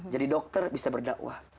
jadi dokter bisa berdakwah